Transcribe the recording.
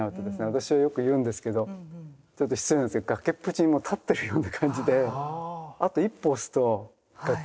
私はよく言うんですけどちょっと失礼なんですが崖っぷちにもう立ってるような感じであと一歩押すと崖から落ちる。